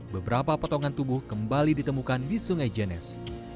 beberapa potongan tubuh kembali ditemukan di sungai jenes